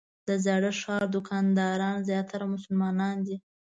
د زاړه ښار دوکانداران زیاتره مسلمانان دي.